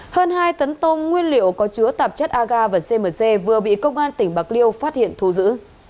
hơn hai tấn tôm nguyên liệu có chứa tạp chất aga và cmc vừa bị công an tỉnh bạc liêu phát hiện thu giữ